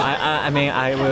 saya akan bergantung